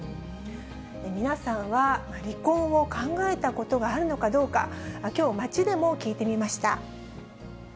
皆さんは離婚を考えたことがあるのかどうか、きょう、街でも聞いてみました。